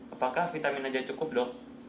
apakah vitamin aja cukup dok